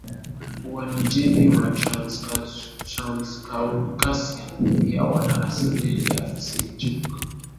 Uajemi na wa Transcaucasian pia wana asili ya Seljuk